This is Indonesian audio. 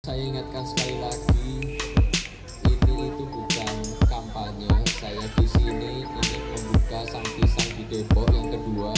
saya ingatkan sekali lagi ini bukan kampanye saya disini untuk membuka sangkisan di depok yang kedua